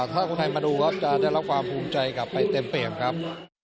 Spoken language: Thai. ถ้าคนไทยมาดูครับจะได้รับความภูมิใจกลับไปเต็มเปรียบครับ